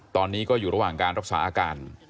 ตอนนี้ก็อยู่ระหว่างการรักษาอาการ